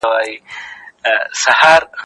یو شان چلند باید هېر نه سي.